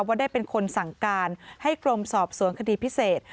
ว่าได้เป็นคนสั่งการให้กรมสอบสวนคดีพิเศษ